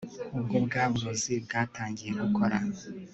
ubwo bwa burozi bwatangiye gukora